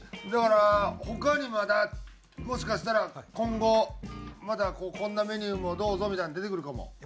だから他にまだもしかしたら今後まだこんなメニューもどうぞみたいなの出てくるかも？